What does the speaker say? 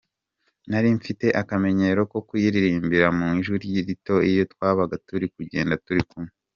Nari mfite akamenyero ko kuyiririmba mu ijwi rito iyo twabaga turi kugenda turi kumwe.